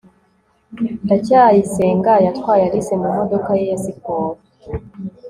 ndacyayisenga yatwaye alice mu modoka ye ya siporo